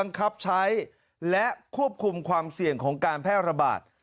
ครับใช้และควบคุมความเสี่ยงของการแพร่ระบาด